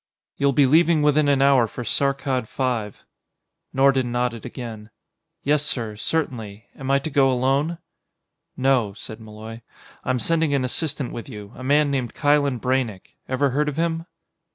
"You'll be leaving within an hour for Saarkkad V." Nordon nodded again. "Yes, sir; certainly. Am I to go alone?" "No," said Malloy, "I'm sending an assistant with you a man named Kylen Braynek. Ever heard of him?"